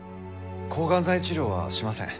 抗がん剤治療はしません。